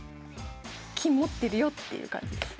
金持ってるよっていう感じです。